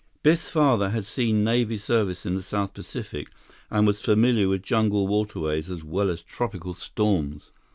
Biff's father had seen Navy service in the South Pacific and was familiar with jungle waterways as well as tropical storms.